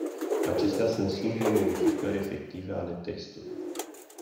Acestea sunt simple modificări efective ale textului.